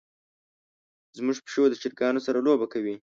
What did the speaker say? زمونږ پیشو د چرګانو سره لوبه کوي.